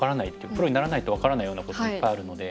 プロにならないと分からないようなこといっぱいあるので。